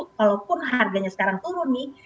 walaupun harganya sekarang turun nih